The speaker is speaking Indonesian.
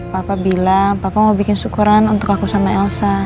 papa bilang papa mau bikin syukuran untuk aku sama elsa